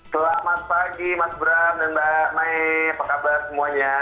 selamat pagi mas bram dan mbak mai apa kabar semuanya